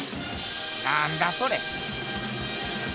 なんだそれ？